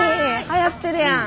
はやってるやん。